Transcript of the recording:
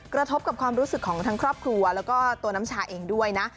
กระทบกับความรู้สึกของทั้งครอบครัวแล้วก็ตัวน้ำชาเองด้วยนะ